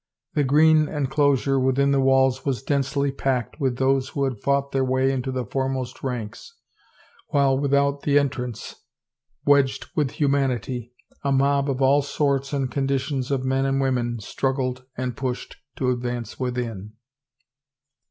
The green en closure within the walls was densely packed with those who had fought their way into the foremost ranks, while without the entrance, wedged with humanity, a mob of all sorts and conditions of men and women struggled and pushed to advance within.